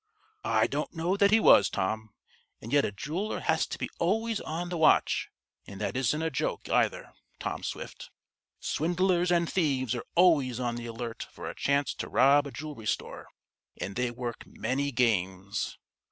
"I don't know that he was, Tom, and yet a jeweler has to be always on the watch, and that isn't a joke, either, Tom Swift. Swindlers and thieves are always on the alert for a chance to rob a jewelry store, and they work many games."